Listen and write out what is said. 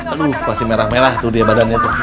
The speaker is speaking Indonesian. aduh masih merah merah tuh dia badannya